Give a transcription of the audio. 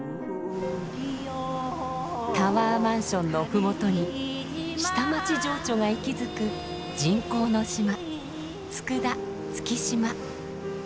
タワーマンションの麓に下町情緒が息づく人工の島。